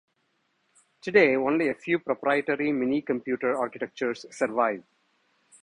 Today only a few proprietary minicomputer architectures survive.